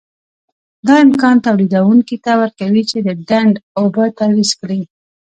دا امکان تولیدوونکي ته ورکوي چې د ډنډ اوبه تعویض کړي.